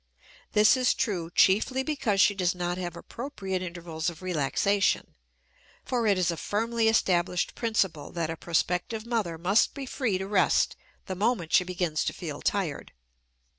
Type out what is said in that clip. This is true chiefly because she does not have appropriate intervals of relaxation, for it is a firmly established principle that a prospective mother must be free to rest the moment she begins to feel tired.